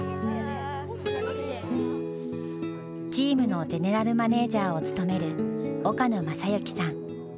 チームのゼネラルマネージャーを務める岡野雅行さん。